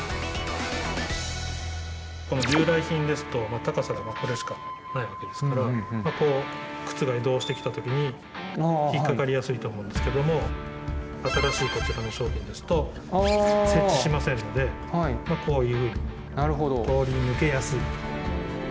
この従来品ですと高さがこれしかないわけですからこう靴が移動してきたときに引っ掛かりやすいと思うんですけども新しいこちらの商品ですと接地しませんのでこういう通り抜けやすい。